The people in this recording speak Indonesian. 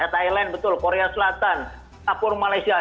thailand korea selatan apur malaysia